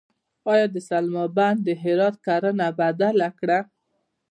آیا د سلما بند د هرات کرنه بدله کړه؟